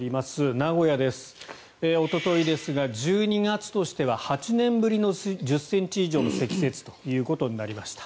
名古屋です、おとといですが１２月としては８年ぶりの１０ｃｍ以上の積雪となりました。